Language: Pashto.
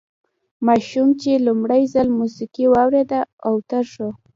ماشوم چې لومړی ځل موسیقي واورېده اوتر شو